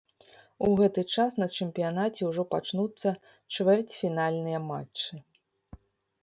У гэты час на чэмпіянаце ўжо пачнуцца чвэрцьфінальныя матчы.